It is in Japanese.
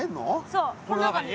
そうこの中に。